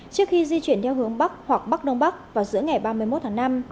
trước khi di chuyển theo hướng bắc hoặc bắc đông bắc vào giữa ngày ba mươi một tháng năm